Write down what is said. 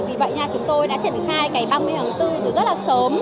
vì vậy chúng tôi đã triển khai cái băng mê hướng tư từ rất là sớm